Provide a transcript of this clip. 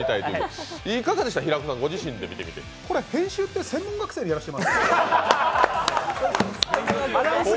これ編集って専門学生にやらせてます？